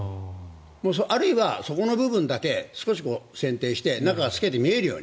あるいはそこの部分だけせん定して中が透けて見えるように。